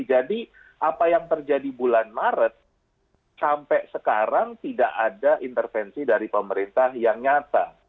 jadi apa yang terjadi bulan maret sampai sekarang tidak ada intervensi dari pemerintah yang nyata